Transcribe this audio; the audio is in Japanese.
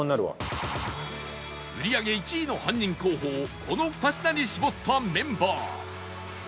売り上げ１位の犯人候補をこの２品に絞ったメンバー